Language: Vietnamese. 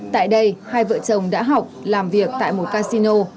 tại đây hai vợ chồng đã học làm việc tại một casino